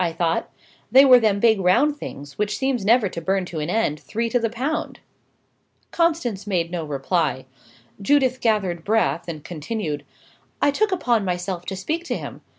I thought. They were them big round things, which seems never to burn to an end, three to the pound." Constance made no reply. Judith gathered breath, and continued: "I took upon myself to speak to him.